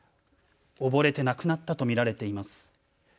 溺れて亡くなったと見られています。